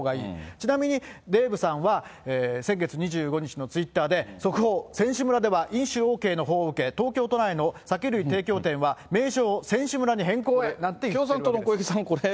ちなみに、デーブさんは、先月２５日のツイッターで、速報、選手村では飲酒ＯＫの報を受け、東京都内の酒類提供店は、名称を選手村に変更へなんて言ってるんです。